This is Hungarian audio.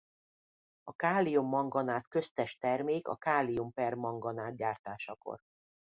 A kálium-manganát köztes termék a kálium-permanganát gyártásakor.